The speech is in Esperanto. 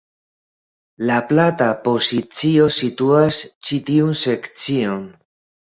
La plata pozicio situas ĉi tiun sekcion.